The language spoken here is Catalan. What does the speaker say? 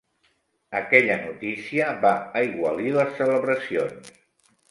Aquella notícia va aigualir les celebracions.